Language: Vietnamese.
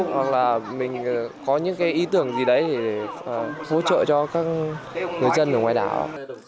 hoặc là mình có những cái ý tưởng gì đấy để hỗ trợ cho các người dân ở ngoài đảo